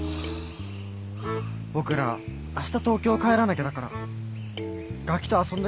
僕らあした東京帰らなきゃだからガキと遊んでる暇ないの。